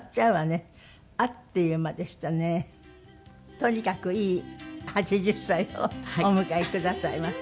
とにかくいい８０歳をお迎えくださいませ。